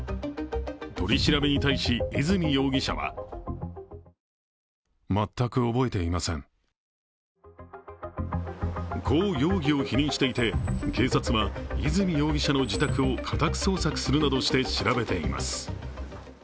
取り調べに対し、泉容疑者はこう容疑を否認していて、警察は泉容疑者の自宅を家宅捜索するなどして調べています。